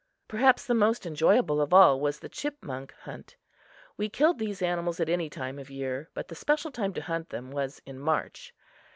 Perhaps the most enjoyable of all was the chipmunk hunt. We killed these animals at any time of year, but the special time to hunt them was in March.